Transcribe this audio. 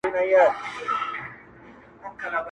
• تازه ګلونه د باغوان له لاسه ورژېدل -